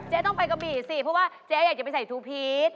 ต้องไปกะหมี่สิเพราะว่าเจ๊อยากจะไปใส่ทูพีช